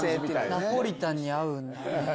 ナポリタンに合うんだ。